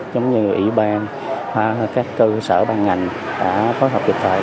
giống như ủy ban các cơ sở ban ngành đã phối hợp kịch tài